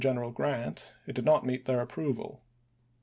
General Grant, it did not meet their approval.